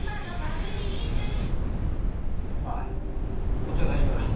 こっちは大丈夫だ。